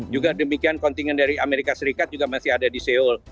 juga demikian kontingen dari amerika serikat juga masih ada di seoul